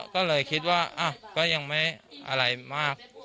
ก็เลยคิดว่าก็ยังไม่อะไรมาก